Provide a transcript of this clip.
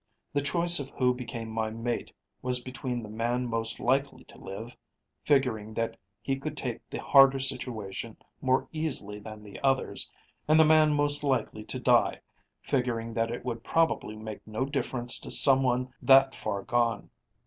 The choice of who became my mate was between the man most likely to live, figuring that he could take the harder situation more easily than the others, and the man most likely to die, figuring that it would probably make no difference to some one that far gone.